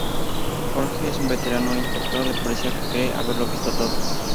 Jorge es un veterano inspector de policía que cree haberlo visto todo.